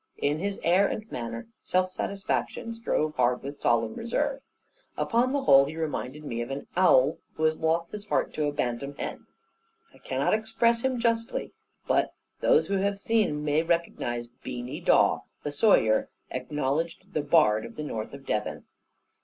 In his air and manner, self satisfaction strove hard with solemn reserve. Upon the whole he reminded me of an owl who has lost his heart to a bantam hen. I cannot express him justly; but those who have seen may recognise Beany Dawe, the sawyer, acknowledged the bard of the north of Devon.